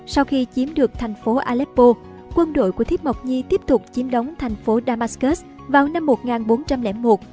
sau khi chiếm được thành phố aleppo quân đội của thíp mộc nhi tiếp tục chiếm đóng thành phố damascus vào năm một nghìn bốn trăm linh một